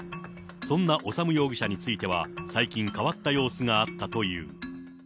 そんな修容疑者については、最近、変わった様子があったという。